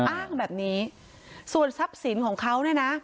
อ้างแบบนี้ส่วนทรัพย์สินของเขาเนี่ยนะ